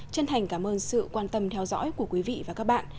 chân thành cảm ơn sự quan tâm theo dõi của quý vị và các bạn